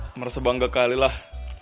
saya merasa bangga sekali lah